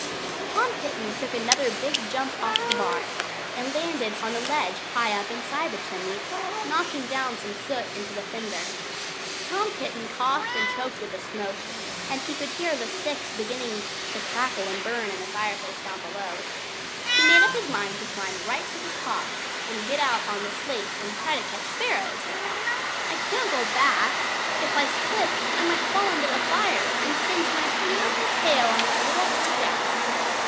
Tom Kitten took another big jump off the bar and landed on a ledge high up inside the chimney, knocking down some soot into the fender. Tom Kitten coughed and choked with the smoke; he could hear the sticks beginning to crackle and burn in the fireplace down below. He made up his mind to climb right to the top, and get out on the slates, and try to catch sparrows. "I cannot go back. If I slipped I might fall in the fire and singe my beautiful tail and my little blue jacket."